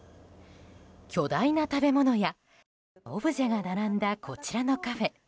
巨大な食べ物やオブジェが並んだこちらのカフェ。